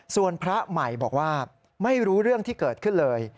ส่วนพระใหม่บอกว่าไม่รู้เรื่องที่เกิดขึ้นเลย